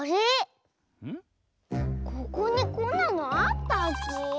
ここにこんなのあったっけ？